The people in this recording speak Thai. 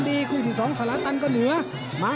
ติดตามยังน้อยกว่า